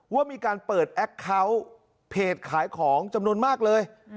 ว่ามีการเปิดแอคเคาน์เพจขายของจำนวนมากเลย